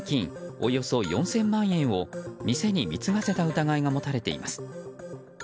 およそ４０００万円を店に貢がせた疑いが持たれています。